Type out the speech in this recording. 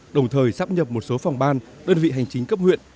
đồng thời sắp nhập một số phòng ban đơn vị hành chính cấp huyện